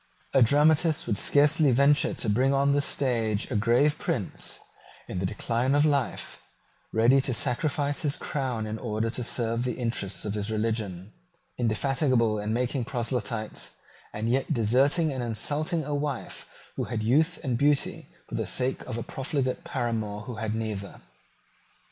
A dramatist would scarcely venture to bring on the stage a grave prince, in the decline of life, ready to sacrifice his crown in order to serve the interests of his religion, indefatigable in making proselytes, and yet deserting and insulting a wife who had youth and beauty for the sake of a profligate paramour who had neither.